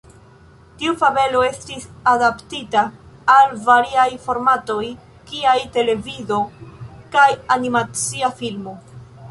Tiu fabelo estis adaptita al variaj formatoj kiaj televido kaj animacia filmo.